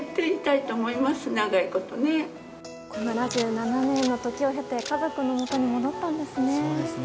７７年の時を経て家族の元に戻ったんですね。